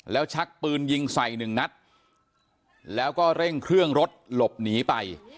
แล้วชักปืนยิงใส่หนึ่งนัดแล้วก็เร่งเครื่องรถหลบหนีไป